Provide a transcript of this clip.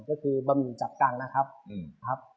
ก็คือบะหมี่จับกังนะครับครับ